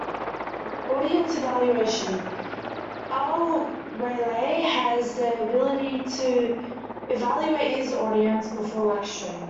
Audience Evaluation: Al-Waeli has the ability to evaluate his audience before lecturing.